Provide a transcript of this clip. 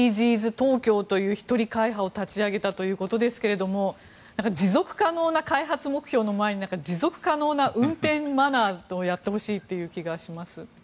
東京という一人会派を立ち上げたということですが持続可能な開発目標の前に持続可能な運転マナーをやってほしいという気がします。